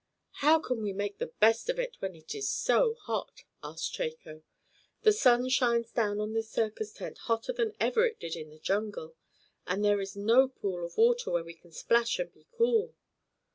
"How can one make the best of it when it is so hot?" asked Chako. "The sun shines down on this circus tent hotter than ever it did in the jungle. And there is no pool of water where we can splash and be cool."